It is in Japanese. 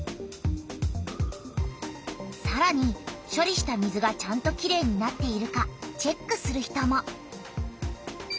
さらにしょりした水がちゃんときれいになっているかチェックする人も。